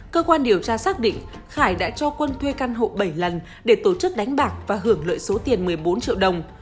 cơ quan điều tra xác định khải đã cho quân thuê căn hộ bảy lần để tổ chức đánh bạc và hưởng lợi số tiền một mươi bốn triệu đồng